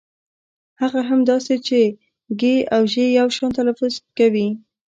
هغه هم داسې چې ږ او ژ يو شان تلفظ کوي.